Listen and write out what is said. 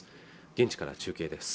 現地から中継です